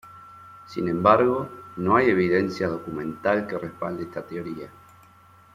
Sin embargo, no hay evidencia documental que respalde esta teoría.